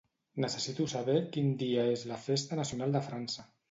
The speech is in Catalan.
Necessito saber quin dia és la festa nacional de França.